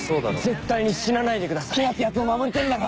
「絶対に死なないでください」「ヒナってやつを守りてえんだろ」